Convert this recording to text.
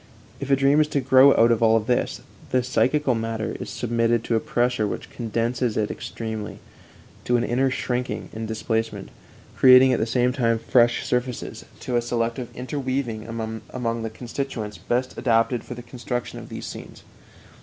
If a dream is to grow out of all this, the psychical matter is submitted to a pressure which condenses it extremely, to an inner shrinking and displacement, creating at the same time fresh surfaces, to a selective interweaving among the constituents best adapted for the construction of these scenes.